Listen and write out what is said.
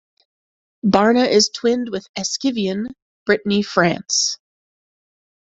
Barna is twinned with Eskevien, Brittany, France.